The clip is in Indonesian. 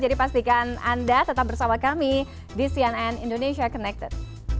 jadi pastikan anda tetap bersama kami di cnn indonesia connected